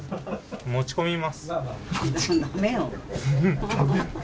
持ち込みます。